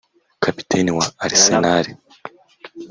Kapiteni wa Arsenal